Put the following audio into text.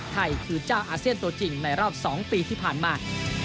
ไทยคือเจ้าอาเซียนตัวจริงในรอบ๒ปีที่ผ่านมา